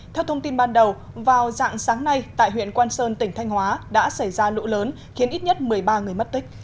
theo thông tin ban đầu vào dạng sáng nay tại huyện quan sơn tỉnh thanh hóa đã xảy ra lũ lớn khiến ít nhất một mươi ba người mất tích